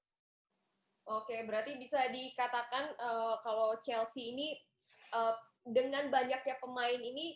oke berarti bisa dikatakan kalau chelsea ini dengan banyaknya pemain ini